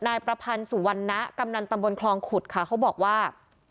นายประพันธ์สุวรรณะกำนันตำบลคลองขุดค่ะเขาบอกว่า